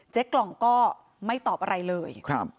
กล่องก็ไม่ตอบอะไรเลย